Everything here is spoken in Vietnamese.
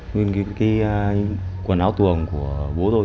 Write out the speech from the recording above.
nguyên cái quần áo tuồng của bố tôi